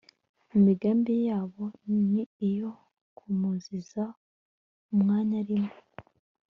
imigambi yabo ni iyo kumuziza umwanya arimo